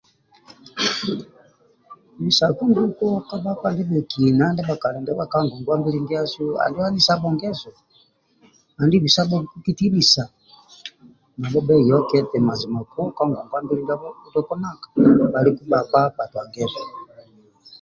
Bisaku nguko ka bhakpa ndibhekina ndibhakali ndibha ka ngongwa-mbili ndiasu, ali anisabho ngeso andi bisabhoku kitinisa nabho bheyokye eti majima ka ngongwa-mbili ndiaka nanka bhaluku bhakpa bhatwa ngeso